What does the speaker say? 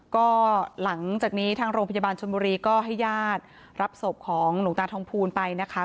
ก็หลังจากนี้ทางโรงพยาบาลชนบุรีก็ให้ญาติรับศพของหลวงตาทองภูลไปนะคะ